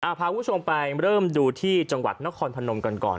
พาคุณผู้ชมไปเริ่มดูที่จังหวัดนครพนมกันก่อน